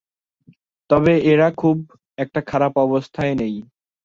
তবে এরা খুব একটা খারাপ অবস্থায় নেই।